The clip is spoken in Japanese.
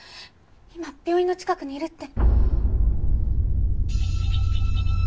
今病院の近くにいるって。